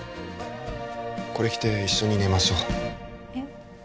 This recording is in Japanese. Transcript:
これ着て一緒に寝ましょうえっ